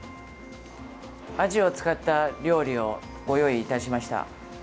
アジを使った料理をご用意いたしました。